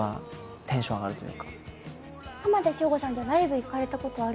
浜田省吾さんじゃあライブ行かれたことあるんですか？